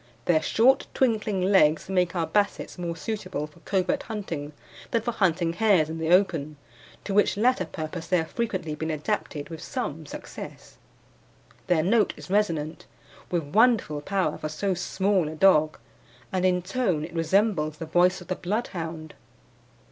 Their short, twinkling legs make our Bassets more suitable for covert hunting than for hunting hares in the open, to which latter purpose they have frequently been adapted with some success. Their note is resonant, with wonderful power for so small a dog, and in tone it resembles the voice of the Bloodhound.